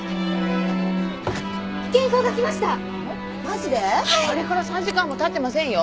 あれから３時間もたってませんよ。